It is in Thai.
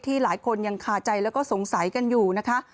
หลายคนยังคาใจแล้วก็สงสัยกันอยู่นะคะ